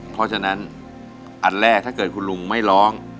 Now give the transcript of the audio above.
เพราะฉะนั้นอันแรกถ้าเกิดคุณลุงไม่ร้อง